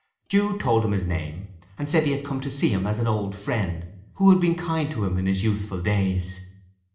Jude told him his name, and said he had come to see him as an old friend who had been kind to him in his youthful days.